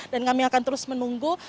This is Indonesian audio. kami akan terus menunggu